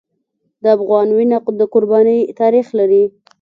د افغان وینه د قربانۍ تاریخ لري.